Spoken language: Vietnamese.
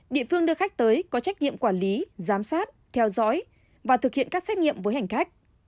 địa phương đưa khách tới có trách nhiệm quản lý giám sát theo dõi và thực hiện các xét nghiệm với hành khách